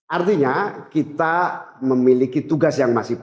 artinya kita memiliki tugas yang masih